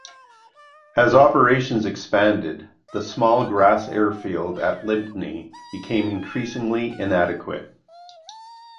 As operations expanded, the small grass airfield at Lympne became increasingly inadequate.